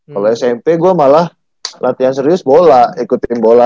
kalo smp gua malah latihan serius bola ikut tim bola